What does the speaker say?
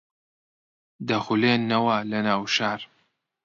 دەخولێنەوە لە ناو شار